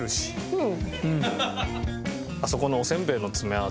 うん。